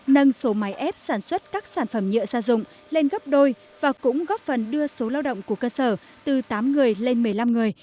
nâng số máy ép sản xuất các sản phẩm nhựa gia dụng lên gấp đôi và cũng góp phần đưa số lao động của cơ sở từ tám người lên một mươi năm người